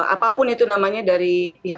apapun itu namanya dari pihak pemerintah